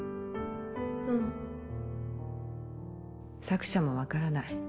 作者も分からない。